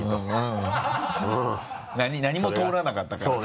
何も通らなかったから。